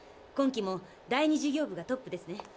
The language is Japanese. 今期も第２事業部がトップですね。